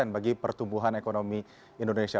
bagi pertumbuhan ekonomi indonesia